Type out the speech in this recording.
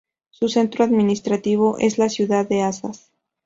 Su centro administrativo es la ciudad de Azaz.